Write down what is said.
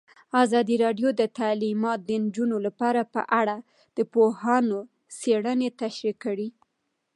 ازادي راډیو د تعلیمات د نجونو لپاره په اړه د پوهانو څېړنې تشریح کړې.